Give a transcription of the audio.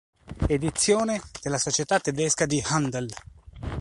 Edizione della Società Tedesca di Handel".